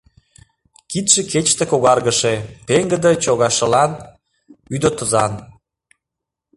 Кидше кечыште когаргыше, пеҥгыде чогашылан, вӱдотызан.